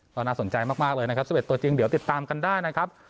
ก็น่าสนใจมากเลยนะครับ๑๑ตัวจริงเดี๋ยวติดตามกันได้นะครับ